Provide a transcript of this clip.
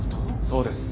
そうです。